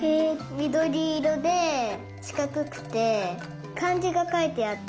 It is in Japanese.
みどりいろでしかくくてかんじがかいてあった。